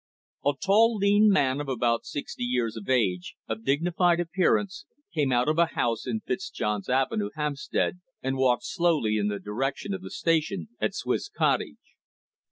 A tall, lean man of about sixty years of age, of dignified appearance, came out of a house in Fitzjohn's Avenue, Hampstead, and walked slowly in the direction of the station at Swiss Cottage.